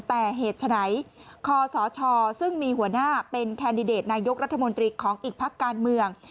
แต่เหตุฉะนั้นคอสชซึ่งมีหัวหน้าเป็นแคนดิเดตนายกรัฐมนตรีของอีกพักการเมือง